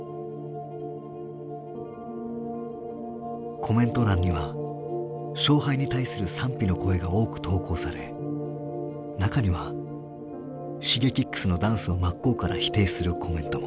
コメント欄には勝敗に対する賛否の声が多く投稿され中にはＳｈｉｇｅｋｉｘのダンスを真っ向から否定するコメントも。